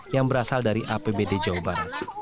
yang berasal dari apbd jawa barat